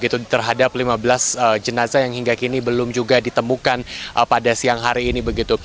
terhadap lima belas jenazah yang hingga kini belum juga ditemukan pada siang hari ini